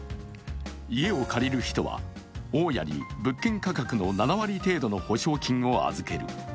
家を借りる人は大家に物件価格の７割程度の保証金を預ける。